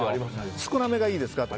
少なめがいいですか？とか。